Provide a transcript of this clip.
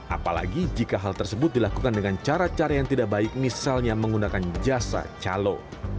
apalagi jika hal tersebut dilakukan dengan cara cara yang tidak baik misalnya menggunakan jasa calo